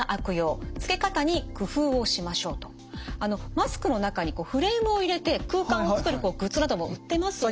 マスクの中にフレームを入れて空間を作るグッズなども売ってますよね。